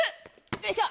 よいしょ！